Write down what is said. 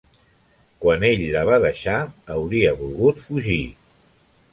Quan ell la va deixar, hauria volgut fugir.